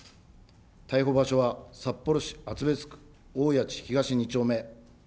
逮捕場所は札幌市厚別区おおやち東２丁目。